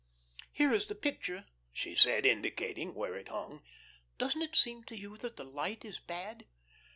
"Here is the picture," she said, indicating where it hung. "Doesn't it seem to you that the light is bad?"